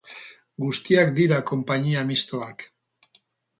Guztiak dira konpainia mistoak.